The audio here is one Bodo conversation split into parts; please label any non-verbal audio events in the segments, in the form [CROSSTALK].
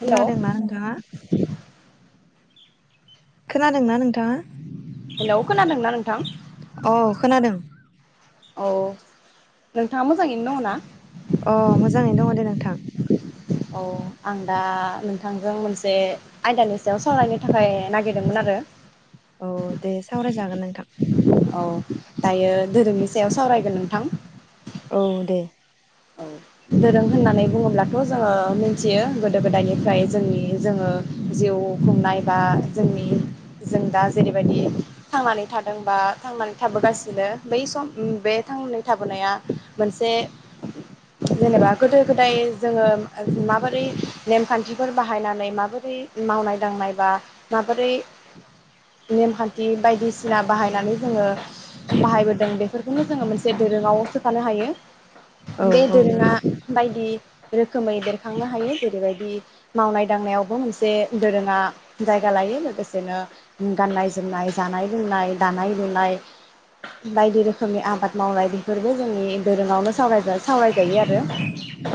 हेलौ खोनादोंना नोंथांङा खोनादोंना नोंथांङा? हेलौ खोनादोंना नोंथां? औ खोनादों औ नोंथांङा मोजांङैनो दङो ना? अ मोजांयैनो दङो दे नोंथां औ आं दा नोंथांजों मोनसे आयदानि सायाव सावरायनो थाखाय नागिरदोंमोन आरो औ दे सावरायजागोन नोंथां औ दायो धोरोमनि सायाव सावरायगोन नोंथां औ दे औ दोरों होननानै बुङोब्लाथ' जोंङो मिथियो गोदो गोदायनिफ्राय जोंनि जोंङो जिउ खुंनाय बा जोंनि जों दा जेरैबायदि थांनानै थादोंबा थांनानै थाबोगासिनो बै सम उम बे थांनानै थाबोनाया मोनसे जेनेबा गोदो गोदाय जोंङो माबोरै नेमखान्थिफोर बाहायनानै माबोरै मावनाय - दांनाय बा माबोरै नेमखान्थि बायदिसिना बाहायनानै जोंङो बाहायबोदों बेफोरखौनो जोंङो मोनसे दोरोंङाव सोफानो हायो। औ बे औ दोरोंङा नोंथां बायदि रोखोमै बेरखांनो हायो जेरैबायदि मावनाय - दांनायावबो मोनसे दोरोंङा जायगा लायो लोगोसेनो गाननाय - जोमनाय, जानाय - लोंनाय, दानाय - लुनाय बायदि रोखोमनि आबाद मावनाय बेफोरबो जोंनि दोरोङावनो सावरायजा सावराय जायो आरो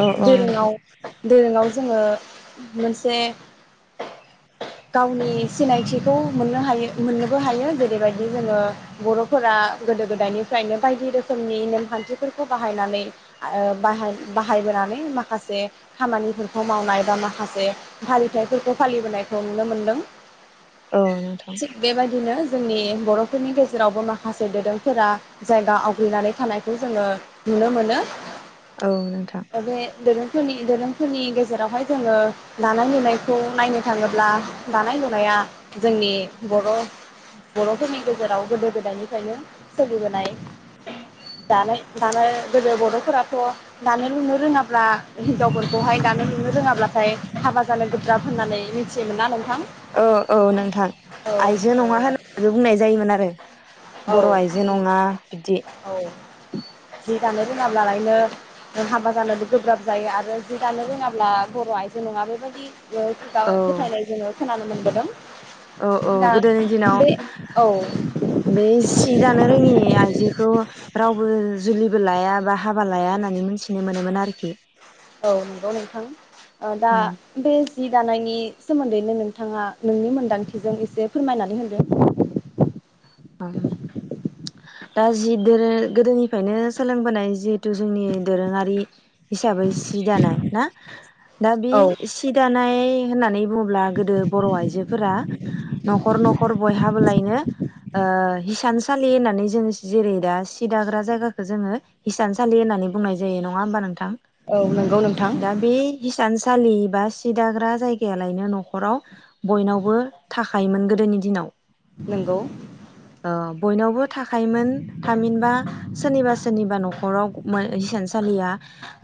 औ औ नोंथां दोरोंङाव दोरोंङाव जोंङो मोनसे गावनि सिनायथिखौ मोननो हायो मोननोबो हायो जेरैबायदि जोंङो बर'फोरा गोदो गोदायनिफ्रायनो बायदि रोखोमनि नेमखान्थिफोरखौ बाहायनानै ओ बाहाय बाहायबोनानै माखासे खामानिफोरखौ मावनाय बा माखासे फाालिथायफोरखौ फालिबोनायखौ नुनो मोनदों। औ नोंथां थिग बे बादिनो जोंनि बर'फोरनि गेजेरावबो माखासे दोरोंफोरा जायगा आवग्रिनानै थानायखौ जोंङो नुनो मोनो औ नोंथां बे दोरोंफोरनि दोरोंफोरनि गेजेरावहाय जोंङो दानाय - लुनायखौ नायनो थाङोब्ला दानाय - लुनाया जोंनि बर'- बर'फोरनि गेजेराव गोदो गोदायनिफ्रायनो सोलिबोनाय दानाय - दानो गोदो बर'फोरा थ' दानो लुनो रोंङाब्ला हिनजावफोरखौहाय दानो लुनो रोंङाब्लाथाय हाबा जानो गोब्राब होननानै मिथियोमोन ना नोंथां? औ - औ नोंथां औ आइजो नङा होननानैबो बुंनाय जायोमोन आरो ओ बर' आइजो औ नङा इब्दि औ जि दानो रोंङाब्ला लायनो हाबा जानोबो गोब्राब जायो आरो जि दानो रोङाब्ला बर' आइजो नङा बेबाय दि खुगा औ फोथायनाय जोंङो खोनानो मोनबोदों औ औ दा गोदोनि बे दिनाव औ बे सि दानो रोङि आइजोखौ रावबो जुलिबो लाया बा हाबा लाया होन ना बुंदोंमोन आरोखि औ नंगौ नोंथां ओ दा बे जि दानायनि सोमोन्दैनो नोंथाङा नोंनि मोन्दांथिजों एसे फोरमायनानै होदो ओम दा जिदो गोदोनिफ्रायनो सोलोंबोनाय जि थु जोंनि दोरोङारि हिसाबै सि दानाय ना दा बे औ सि दानाय होननानै बुङोब्ला गोदो बर' आइजोफोरा न'खर न'खर बयहाबोलायनो ओ हिसानसालि होननानै जों जेरै दा सिदाग्रा जायगाखौ जोङो हिसानसालि होननानै बुंनाय जायो नङा होमबा नों थां औ नंगौ नोंथां दा बे हिसान सालि बा सि दाग्रा जायगायालायनो न'खराव बयनावबो थाखायोमोन गोदोनि दिनाव नोंगौ अ बयनावबो थाखायोमोन थामिनबा सोरनिबा सोरनिबा न'खराव हिसानसालिया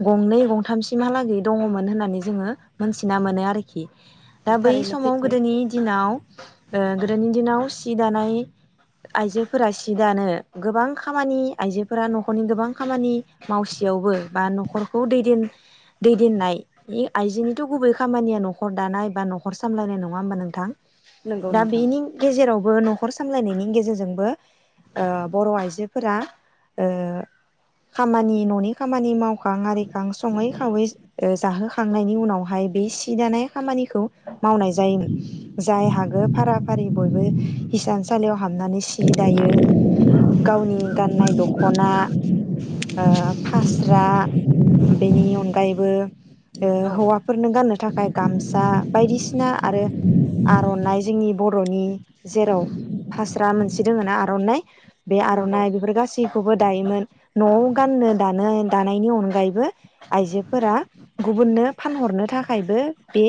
गंनै गंथामसिमहालागै दङमोन होननानै जोङो मोनथिना मोनो आरोखि दा बै थारैनो समाव सैथो गोदोनि दिनाव ओ गोदोनि दिनाव सि दानाय आइजोफोरा सि दानो गोबां खामानि आइजोफोरा न'खरनि गोबां खामानि मावसेयावबो बा न'खरखौ दैदेन दैदेननाय आइजोनिथ' गुबै खामानिया न'खर दानाय बा न'खर सामलायनाय नङा होमबा नोंथां नंगौ दा नोंथां बेनि गेजेराव बो न'खर सामलायनायनि गेजेरजोंबो ओ बर' आइजोफोरा ओ खामानि न'नि खामानि माव खां आरिखां सङै खावै ओ जाहोखांनायनि उनावहाय बे सि दानाय खामानिखौ मावनाय जायोमोन जाय औ हागौ फारा फारि बयबो हिसान सालियाव हाबनानै सि दायो गावनि गाननाय दखना ओ फास्रा बेनि अनगायैबो ओ नंगौ हौवाफोरनो गाननो थाखाय गामसा बायदिसिना आरो आर'नाइ जोंनि बर'नि जेराव फास्रा मोनसे दोङ ना आर'नाइ बे आर'नाइ बेफोर गासैखौबो दायोमोन न'आव गाननो दानो दानायनि अनगायैबो आइजोफोरा गुबुननो फानहरनो थाखायबो बे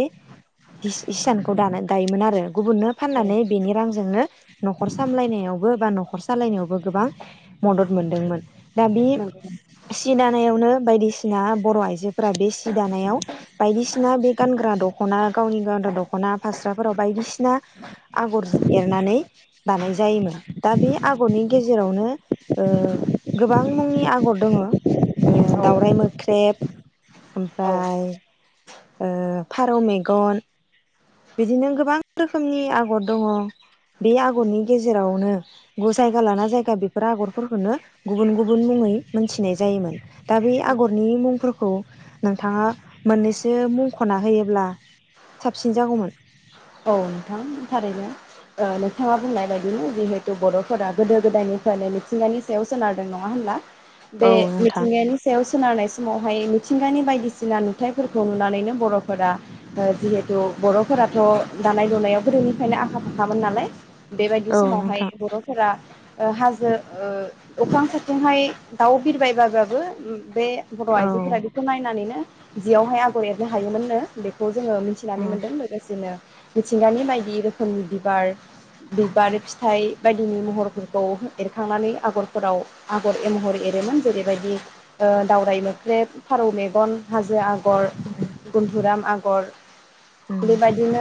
हि हिसानखौ दानो दायोमोन आरो गुबुननो औ फाननानै बेनि रांजोंनो न'खर सामलायनायावबो बा न'खर सालायनायावबो गोबां मदद मोनदोंमोन। दा बे नंगौ सि दानायावनो बायदिसिना बर' आइजोफोरा बे सि दानायाव बायदिसिना बे गानग्रा दख'ना गावनि गान दख'ना फास्राफोराव बायदिसिना आगर एरनानै दानाय जायोमोन दा बे आगरनि गेजेरावनो ओ गोबां मुंनि आगर दङ ओ दाउराइ मोख्रेब औ ओमफ्राय ओ फारौ मेगन बिदिनो गोबां रोखोमनि आगर दङ औ बर'नि गेजेरावनो ग जायगा लाना जायगा बेफोर आगरफोरखोनो गुबुन गुबुन मुङै मोनथिनाय जायोमोन। दा बै आगरनि मुंफोर खौ नोंथाङा मोननैसो मुंख'ना होयोब्ला साबसिन जागौमोन। औ नोंथां थारैनो ओ नोंथाङा बुंनाय बायदिनो जिहेथु बर'फोरा गोदो गोदायनिफ्रायनो मिथिंगानि सायाव सोनारदों। नङा होनब्ला? औ बे नोंथां मिथिंगानि सायाव सोनारनाय सिमावहाय थिंगानि बायदिसिना नु थायफोरखौ नुनानैनो बर'फोरा ओ जिहेथु बर'फोराथ' दानाय लुनायाव गोदैनिफ्रायनो आखा फाखामोन नालाय बेबायदि औ समावहाय नोंथां बर'फोरा ओ हाजो ओ अख्रां सथिंहाय दाउ बिरबायबाबाबो उम बे बर' औ आइजोफोरा बेखो नायनानैनो जियावहाय आगर एरनो हायोमोन नो बेखौ जोङो मिथिनानै मोन्दों लोगोसेनो मिथिंगानि बायदि रोखोमनि बिबार बिबार फिथाइ बायदिनि महरफोरखौ एरखांनानै आगरफोराव आगर ए महर एरोमोन जेरैबायदि ओ दावराय मोख्रेब, फारौ मेगन हाजो आ उम गर भुन्दुराम आग गर उम बेबायदिनो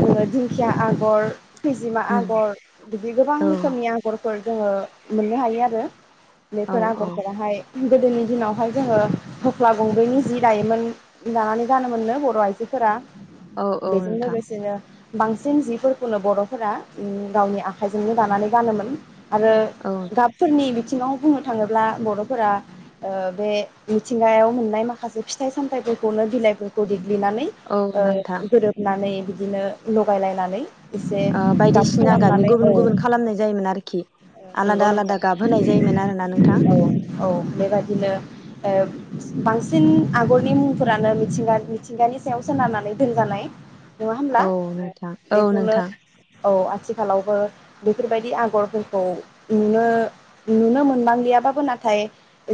जोङो दिंखिया आ ग'र खैजिमा उम आगर बिदि गोबां रोखोमनि औ आगरफोर जोङो मोननो हायो आरो। बेफोर औ औ आगरफोराहाय गोदोनि दिनावहाय जोङो हख्ला गंब्रैनि जि दायोमोन दानानै गानोमोननो बर' आइजोफोरा। औ औ बेजों नोंथां लोगोसेनो बांसिन जिफोरखौनो बर'फोरा उम गावनि आखाइजोंनो दानानै गानोमोन आरो औ गाबफोरनि बि थिङाव बुंनो थाङोब्ला बर'फोरा ओ बे मिथिंगायाव मोननाय मा खासे फिथाइ सामथाइफोरखौनो बिलाइफोरखौ दि ग्लिनानै औ ओ नोंथां गोरोबनानै बि दिनो लगाय लायनानै एसे ओ गाब बायदिसिना गाबनि खालामनानै औ गुबुन गुबुन खालामनाय जायोमोन आरोखि ओ नोंगौ आलादा नोंथां आलादा गाबहोनाय जायोमोन आरोना नोंथां औ औ बेबायदिनो ओ बांस सिन आगरनि मुंफोरानो मिथिंगा मिथिंगानि सायाव सोनारनानै दोनजानाय नङा होमब्ला औ नोंथां औ बेखौनो नोंथां औ आथिखालावबो बेफोरबायदि आगरफोरखौ नुनो नुनो मोननांलियाबाबो नाथाय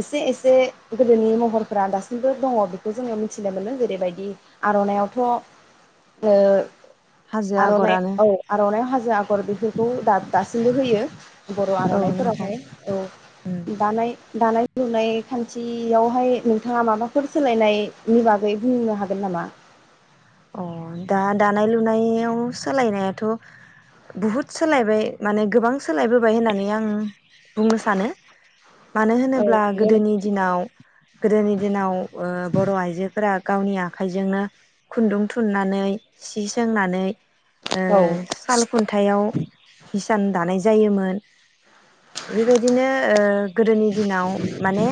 एसे एसे गोदोनि महरफोरा दास सिमबो दङ बेखौ जोङो मिथिनो मोनो जेरैबायदि आर'नायावथ' ओ हाजो आर'नाइ आगरानो औ आर'नायइ हाजो आगर बेफोरखौ दासिमबो होयो बर' औ नोंथां आर'नाइफोरावहाय औ दानाय दानाय खोंनाय खान्थियावहाय नोंथाङा माबा बेफोर सोलायनायनि बागै बुंनो हागोन नामा? अ दा दानाय लुनायाव सोलायनायाथ' बहुद सोलायबाय माने गोबां सोलायबोबाय होननानै आं बुंनो सानो मानो होनोब्ला गोदोनि दिनाव गोदोनि दिनाव ओ बर' आइजोफोरा गावनि आखाइजोंनो खुनदुं थुननानै सि सोंनानै ओ औ साल खुनथायाव हिसान दानाय जायो जायोमोन बेबायदिनो गोदोनि दिनाव माने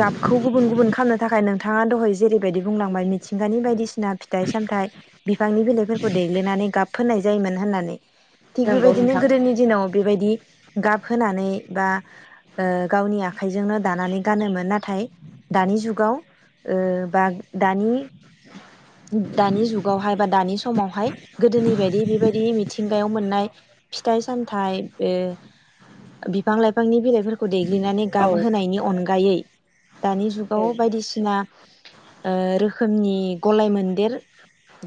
गाबखौ गुबुन गुबुन खालामनो थाखाय नोंथाङा दहाय जेरैबायदि बुंलांबाय मिथिंगानि बायदिसिना फिथाइ-सामथायाइ बिफांनि बिलाइफोरखौ देग्लिनानै गाब फोननाय जायो मोन होननानै थिग नंगौ बेबायदिनो नोंथां गोदोनि दिनाव बेबायदि गाबहोनानै बा ओ गावनि आखाइजोंनो दानानै गानोमोन नाथाय दानि जुगाव ओ बा दानि दानि जुगावहाय बा दानि समावहाय गोदोनि बायदि बेबायदि मिथिंगायाव मोननाय फिथाइ-सामथाय बे बिफां लाइफांनि बिलाइफोरखौ देग्लिनानै औ गाब होनायनि अनगायै दानि जुगाव नंगौ बायदिसिना ओ रोखोम रोखोमनि गलाय-मोनदेर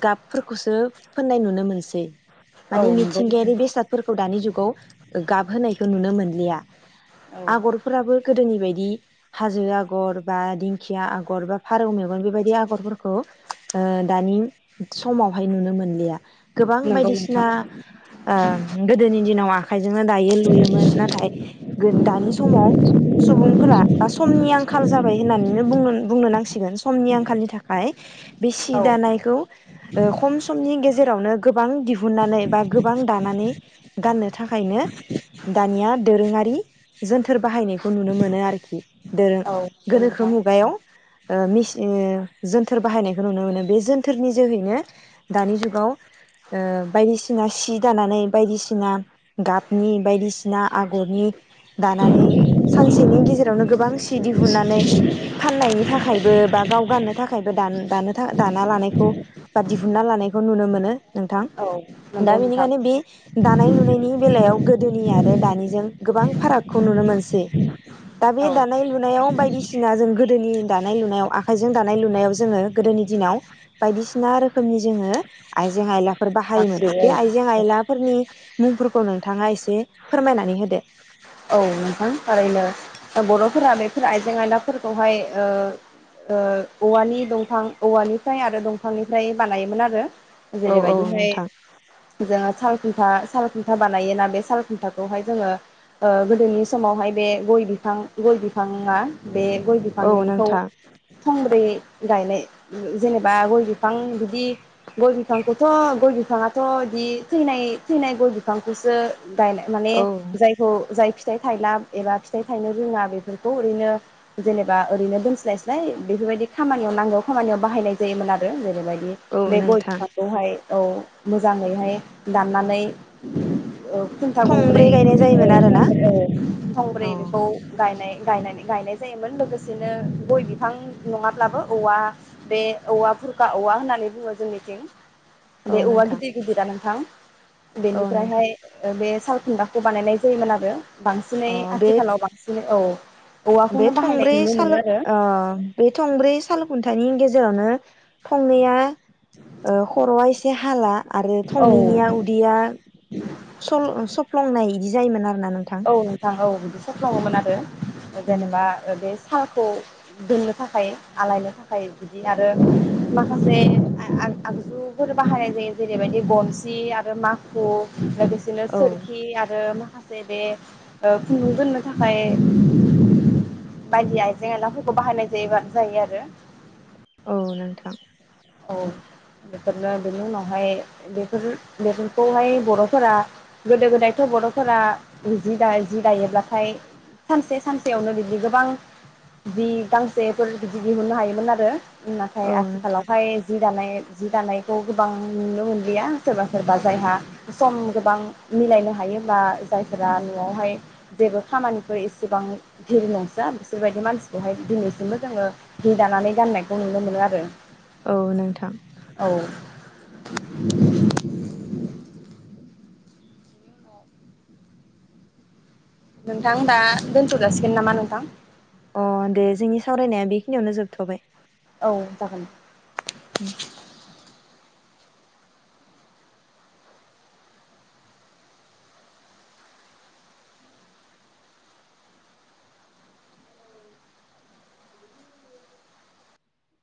गाबफोरखौसो फोननाय नुनो मोनसै माने मिथिंगायारि नोंथां बेसादफोरखौ दानि जुगाव गाबहोनायखौ नुनो मोनलिया औ औ आगरफोराबो गोदोनि बायदि हाजो आगर बा दिंखिया आगर बा फारौ मेगन बेबायदि आगरफोरखौ दानि समावहाय नुनो मोनलिया गोबां औ नंगौ बायदिसिना नोंथां ओ गोदोनि दिनाव आखायजोंनो दायो लुयोमोन नाथाय दानि समाव सुबुंफोरा बा समनि आंखाल जाबाय होननानैनो बुंनो नांसिगोन समनि आंखालनि थाखाय बे सि औ नंगौ नोंथां औ दानायखौ खम समनि गेजेरावनो गोबां दिहुननानै बा गोबां दानानै गाननो थाखायनो दानिया दोरोङारि जोनथोर बाहायनायखौ नुनो मोनो आरोखि दोरों औ नंगौ गोनोखो नोंथां मुगायाव ओ मि इदिनो जोनथोर बाहायनाय नुनो मोनो बे जोनथोरनि जोहैनो दानि जुगाव बायदिसिना सि दानानै बायदिसिना गाबनि बायदिसिना आगरनि दानानै सानसेनि गेजेरावनो गोबां सि जि दिहुननानै फाननायनि थाखायबो बा गाव गाननो थाखायबो दान दानो दाना लानायखौ बा दिहुनना लानायखौ नुनो मोनो। नोंथां औ दा नंगौ नोंथां बेनिखायनो बे दानाय लुनायनि बेलायाव गोदोनि आरो दानिजों गोबां फारागखौ नुनो मोनसै दा बे औ दानाय-लुनायाव बायदिसिना जों गोदोनि दानाय- लुनायाव आखाइजों दानाय- लुनायाव जोङो गोदोनि दिनाव बायदिसिना रोखोमनि जोङो आइजें- आयलाफोर बाहायोमोन आगसु बे औ औ आइजें-आइलाफोरनि मुंफोरखौ नोंथाङा एसे फोरमायनानै होदो औ नोंथां ओारैनो बर'फोरा बे फोर आइजें आयलाफोरखौहाय ओ ओ औवानि दंफां औवानिफ्राय आरो दंफांनिफ्राय बानायोमोन आरो औ औ जेरैबायदिहाय नोंथां जोङो साल फिफा साल खुनथा बानायोना बे साल खुनथाखौ बेखौहाय जोङो ओ गोदोनि समावहाय बे गय बिफां गय बिफाङा बे गय औ बिफांनिखौ नोंथां थंब्रै गायनाय जेनेबा गय बि बिफां बिदि गय बिफांखौथ' गय बि बिफाङाथ' बिदि थैनाय थैनाय गय बिफांखौसो गायनाय माने औ जायखौ जाय फिथाइ थायला एबा फिथाइ थायनो रोङा बेफोरखौ ओरैनो जेनेबा ओरैनो दोनस्लायस्लाय बेफोरबायदि खामानियाव नांगौ खामानियाव बाहायनाय जायोमोन आरो जेनरैबादि औ बे गय नोंथां बिफांखौहाय औ मोजाङैहाय दाननानै ओ [UNINTELLIGIBLE] थंब्रै थंब्रै गायनाय जायोमोन आरोना अ बेखौ गायनाय गायनानै गायनाय जायोमोन लोगोसेनो गय बिफां नङाब्लाबो औवा बे औवा बुरखा औवा होननानै बुङो जोंनिथिं औ बे औवा नोंथां गिदिर गिदिरा नोंथां औ नोंथां बेनिफ्रायहाय ओ बे सालखुनथाखौ बानायनाय जायोमोन आरो बांसिनै अ बे आथिखालाव बांसिनै औ बे औवाखौनो बाहायनाय थंब्रै नुनो साल मोनो आरो ओ बे थंब्रै साल खुनथानि गेज जेरावनो थंनैया ओ खर'आ एसे हाला आरो औ थंनैनिया उदैया स सफ्लंनाय बि जायोमोन आरो औ नोंथां औ सफ्लङोमोन आरो उम जेनेबा ओम बे सालखौ दोननो थाखाय आलायनो थाखाय बिदि आरो माखासे आगजुफोर बाहायनाय जायो जेरैबायदि बनसि आरो माखु लोगोसेनो औ सोरखि आरो मा ै [UNINTELLIGIBLE] बे खुनदुं दोननो थाखाय बायदि आइजें आयलाफोरखौ बाहायनाय जायो जायो आरो औ नोंथां औ बेफोरनो बेनि उनावहाय बेफोर बेफोरखौहाय बर'फोरा गोदो गोदायथ' बर'फोरा जि दायो जि दायोब्लाथाय सानसे सानसेयावनो बिदि गोबां जि गांसेफोर बिदि दिहुननो हायोमोन आरो नाथाय औ आथिखालाव नोंथां जि दानाय जि दानायखौ गोबां नुनो मोनलिया सोरबा सोरबा जायहा सम गोबां मिलायनो हायोब्ला जायफोरा न'आवहाय जेबो खामानिफोर एसेबां फिर नंसोवा बिसोरबायदि मानसिखौहाय दिनैसिमबो जोङो जि दानानै गाननायखौ नुनो मोनो आरो औ नोंथां औ [INAUDIBLE] नोंथां दा दोनथ' जाासिगोन नामा नोंथां अ दे जोंनि सावरायनाया बेखिनियावनो जोबथ'बाय औ जागोन औ